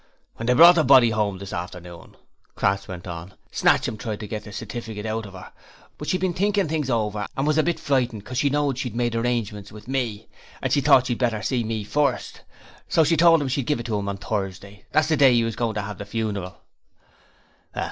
'When they brought the body 'ome this afternoon,' Crass went on, 'Snatchum tried to get the stifficut orf 'er, but she'd been thinkin' things over and she was a bit frightened 'cos she knowed she'd made arrangements with me, and she thought she'd better see me first; so she told 'im she'd give it to 'im on Thursday; that's the day as 'e was goin' to 'ave the funeral.'